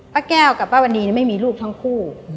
ป้าแก้วกับป้าวันนี้ไม่มีลูกทั้งคู่